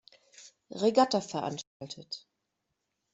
Regatta veranstaltet.